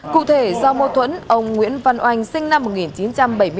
cụ thể do mâu thuẫn ông nguyễn văn oanh sinh năm một nghìn chín trăm bảy mươi bốn